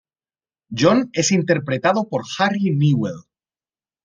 John es interpretado por Harry Newell.